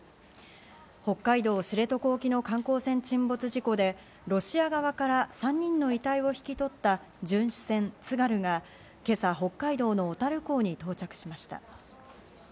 北海道知床沖の観光船沈没事故でロシア側から３人の遺体を引き取った巡視船「つがる」が今朝、北海道の小樽港に到着しました。